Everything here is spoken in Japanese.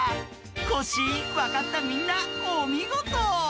コッシーわかったみんなおみごと。